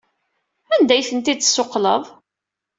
Anda ay tent-id-tessuqqleḍ?